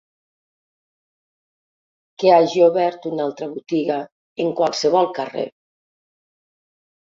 Que hagi obert una altra botiga en qualsevol carrer.